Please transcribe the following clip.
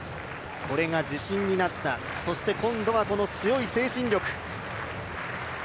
これが自信になった、そして今度はこの強い精神力。